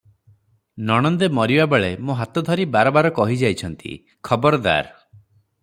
ନଣନ୍ଦେ ମରିବା ବେଳେ ମୋ ହାତ ଧରି ବାର ବାର କହି ଯାଇଛନ୍ତି, 'ଖବାରଦାର!